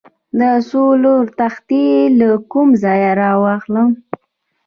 د سولر تختې له کوم ځای واخلم؟